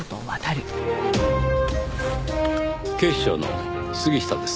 警視庁の杉下です。